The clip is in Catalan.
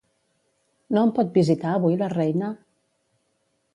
No em pot visitar avui la reina?